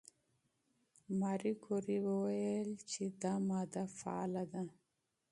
ماري کوري وویل چې دا ماده فعاله ده.